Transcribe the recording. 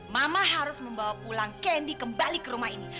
mama harus membawa pulang kendi kembali ke rumah ini